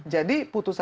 jadi putus asa